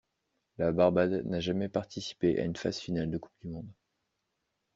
La Barbade n'a jamais participé à une phase finale de Coupe du monde.